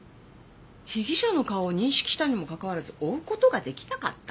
被疑者の顔を認識したにもかかわらず追う事が出来なかった？